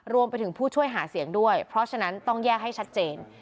รวมไปถึงผู้ช่วยหาเสียงด้วยเพราะฉะนั้นต้องแยกให้ชัดเจน